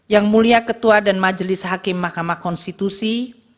yang mulia ketua dan majelis hakim mahkamah konstitusi